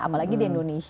apalagi di indonesia